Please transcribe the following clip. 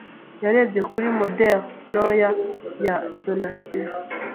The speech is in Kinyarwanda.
Yarebye kuri moderi ntoya ya dinosaur.